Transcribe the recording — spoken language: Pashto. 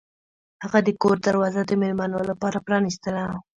هغه د کور دروازه د میلمنو لپاره پرانیستله.